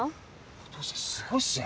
お父さんすごいっすね。